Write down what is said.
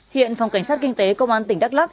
hiện phòng cảnh sát kinh tế công an tỉnh đắk lắc